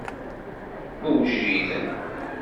Ur wjiden.